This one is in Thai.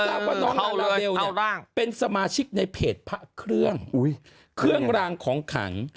ว่าน้องลาลาเบลเป็นสมาชิกในเพจพระเครื่องเครื่องรางของขัง